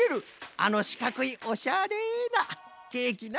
あのしかくいオシャレなケーキな。